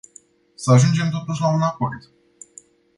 Să ajungem totuși la un acord.